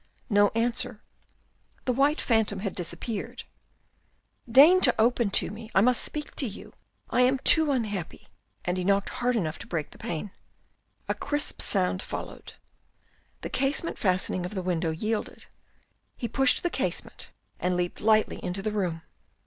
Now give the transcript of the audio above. No answer. The white phantom had disappeared. " Deign to open to me. I must speak to you. I am too unhappy." And he knocked hard enough to break the pane. A crisp sound followed. The casement fastening of the window yielded. He pushed the casement and leaped lightly into the room.